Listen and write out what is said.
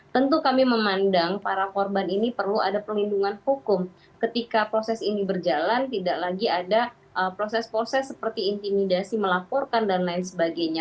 tentu kami memandang para korban ini perlu ada perlindungan hukum ketika proses ini berjalan tidak lagi ada proses proses seperti intimidasi melaporkan dan lain sebagainya